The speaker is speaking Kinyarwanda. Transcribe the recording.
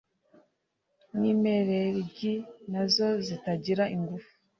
n’impereryi na zo zitagira ingufu